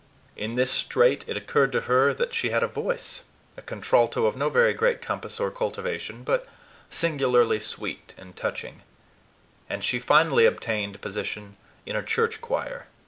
In this strait, it occurred to her that she had a voice a contralto of no very great compass or cultivation, but singularly sweet and touching; and she finally obtained position in a church choir.